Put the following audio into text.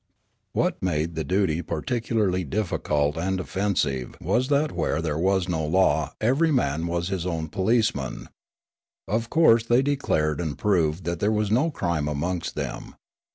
What made the duty particularly difficult and offen sive w'as that where there was no law every man was Snetkape 155 his own policeman. Of course thej'^ declared and proved that there was no crime amongst them.